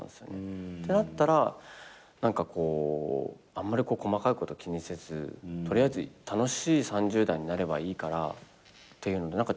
ってなったら何かこうあんまり細かいことは気にせず取りあえず楽しい３０代になればいいからっていうのでちょっと吹っ切れて。